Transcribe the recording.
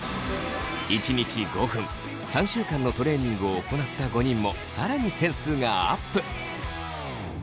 １日５分３週間のトレーニングを行った５人も更に点数がアップ。